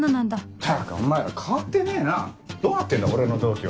ったくお前ら変わってねえなどうなってんだ俺の同期は。